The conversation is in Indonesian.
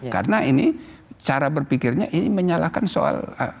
karena ini cara berpikirnya ini menyalahkan soal